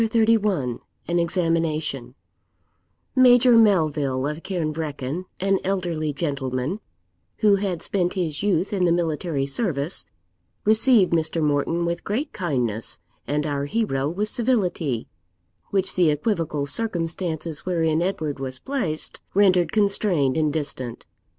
CHAPTER XXXI AN EXAMINATION Major Melville of Cairnvreckan, an elderly gentleman, who had spent his youth in the military service, received Mr. Morton with great kindness, and our hero with civility, which the equivocal circumstances wherein Edward was placed rendered constrained and distant.